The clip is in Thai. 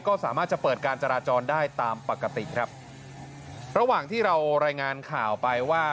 ก็สามารถจะเปิดการจราจรได้ตามปกติครับระหว่างที่เรารายงานข่าวไปว่า